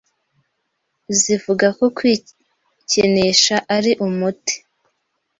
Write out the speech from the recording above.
zivuga ko kwikinisha ari umuti